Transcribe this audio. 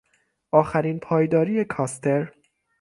آخرین پایداری کاستر